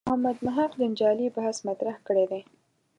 محمد محق جنجالي بحث مطرح کړی دی.